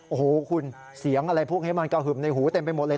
โอ้โหคุณเสียงอะไรพวกนี้มันกระหึ่มในหูเต็มไปหมดเลย